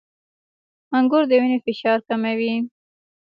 • انګور د وینې فشار کموي.